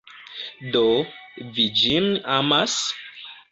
Do, vi ĝin amas?